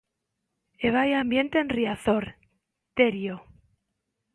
E vaia ambiente en Riazor, Terio.